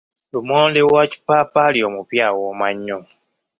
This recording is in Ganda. Lumonde owa kipaapaali omupya awooma nnyo.